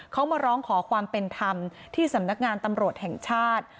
เขามาร้องขอความเป็นธรรมที่สำนักงานตำรวจแห่งชาติ